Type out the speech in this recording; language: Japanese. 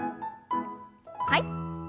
はい。